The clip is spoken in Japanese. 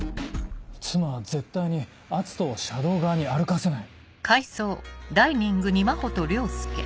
妻は絶対に篤斗を車道側に歩かせない。